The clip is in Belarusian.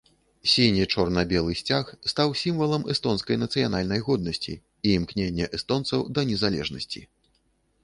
Сіне-чорна-белы сцяг стаў сімвалам эстонскай нацыянальнай годнасці і імкнення эстонцаў да незалежнасці.